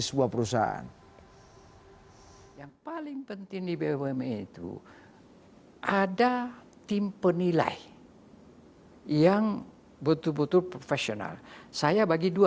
sebuah perusahaan yang paling penting di bumn itu ada tim penilai yang betul betul profesional saya bagi dua